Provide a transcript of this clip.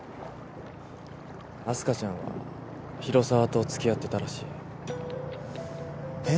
明日香ちゃんは広沢と付き合ってたらしいえッ？